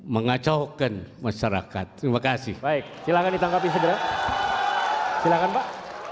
mengacaukan masyarakat terima kasih baik silahkan ditangkapi sederhana silakan pak